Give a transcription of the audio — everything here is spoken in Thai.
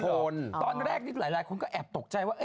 ตอนแรกหลายคนก็แอบตกใจว่า